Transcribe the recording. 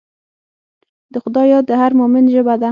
د خدای یاد د هر مؤمن ژبه ده.